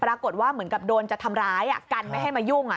ปรากฏว่าเหมือนกับโดนจะทำร้ายกันไม่ให้มายุ่ง